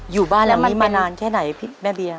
อยู่บ้านแล้วมันนี่มานานแค่ไหนแม่เบียง